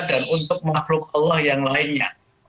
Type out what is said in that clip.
dan untuk makhluk allah yang lainnya